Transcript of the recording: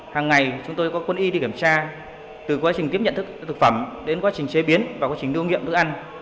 hàng ngày chúng tôi có quân y đi kiểm tra từ quá trình tiếp nhận thực phẩm đến quá trình chế biến và quá trình đưa nghiệm nước ăn